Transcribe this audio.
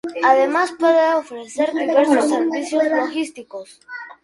Además puede ofrecer diversos servicios logísticos.